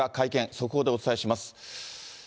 速報でお伝えします。